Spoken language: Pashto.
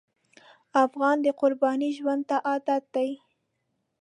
افغان د قربانۍ ژوند ته عادت دی.